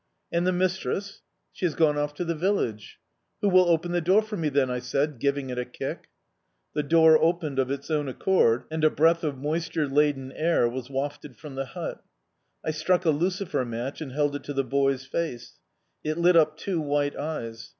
"And the mistress?" "She has gone off to the village." "Who will open the door for me, then?" I said, giving it a kick. The door opened of its own accord, and a breath of moisture laden air was wafted from the hut. I struck a lucifer match and held it to the boy's face. It lit up two white eyes.